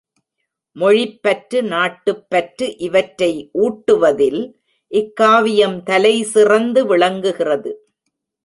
மொழிப்பற்று, நாட்டுப்பற்று இவற்றை ஊட்டுவதில் இக்காவியம் தலை சிறந்து விளங்குகிறது.